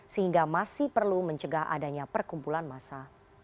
sehingga masih perlu mencegah adanya perkumpulan massa